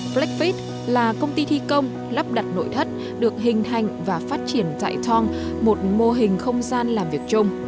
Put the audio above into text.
blackfeet là công ty thi công lắp đặt nội thất được hình hành và phát triển tại tong một mô hình không gian làm việc chung